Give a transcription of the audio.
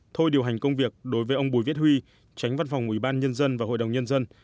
thôi điều hành công việc đối với ông bùi viết huy tránh văn phòng ubnd và hội đồng nhân dân